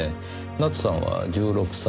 奈津さんは１６歳。